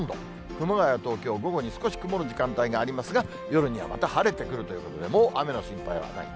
熊谷、東京、午後に少し曇る時間帯がありますが、夜にはまた晴れてくるということで、もう雨の心配はない。